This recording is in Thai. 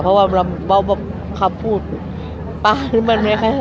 เพราะว่าเราบอกว่าเขาพูดป๊าหรือมันไม่ค่อยเท่าไหร่ค่ะ